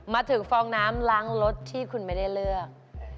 ฟองน้ำล้างรถที่คุณไม่ได้เลือก